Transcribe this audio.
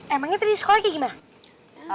emangnya tadi sekolah kayak gimana